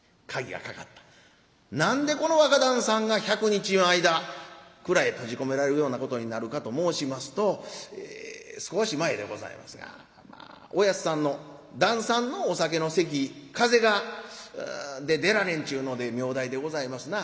何でこの若旦さんが１００日の間蔵へ閉じ込められるようなことになるかと申しますと少し前でございますが親父さんの旦さんのお酒の席風邪で出られんちゅうので名代でございますな。